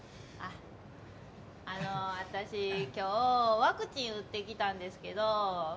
あの私今日ワクチン打ってきたんですけど。